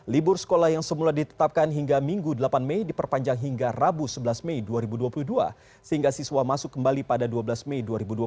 libur sekolah yang semula ditetapkan hingga minggu delapan mei diperpanjang hingga rabu sebelas mei dua ribu dua puluh dua sehingga siswa masuk kembali pada dua belas mei dua ribu dua puluh